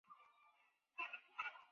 此举在美少女游戏界属首例。